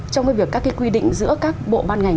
trong cái việc các cái quy định giữa các bộ ban ngành